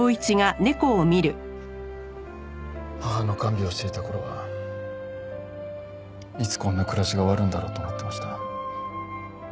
母の看病をしていた頃はいつこんな暮らしが終わるんだろうと思ってました。